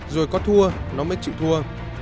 rồi có thua nó mới chịu thua